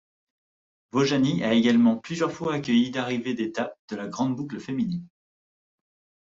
Vaujany a également plusieurs fois accueilli d'arrivée d'étape de la Grande boucle féminine.